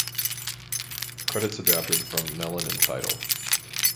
Credits adapted from Melon and Tidal.